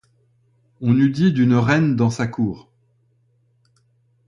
On eût dit d’une reine dans sa cour.